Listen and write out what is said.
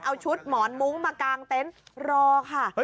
เอาชุดหมอนมุ้งมากางเต็นต์รอค่ะ